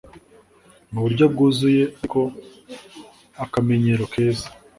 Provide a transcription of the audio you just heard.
mu buryo bwuzuye, ariko akamenyero keza